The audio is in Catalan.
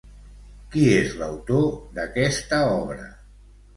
Qui és l'autor d'aquesta obra?